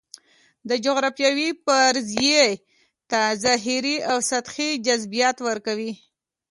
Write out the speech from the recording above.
دا جغرافیوي فرضیې ته ظاهري او سطحي جذابیت ورکوي.